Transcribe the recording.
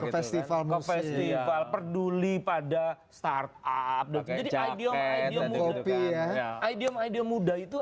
festival festival peduli pada start up dan kejadian kejadian kopi ya idea idea muda itu